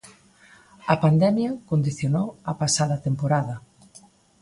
A pandemia condicionou a pasada temporada.